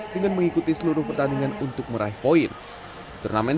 dengan mengikuti seluruh pertandingan sernas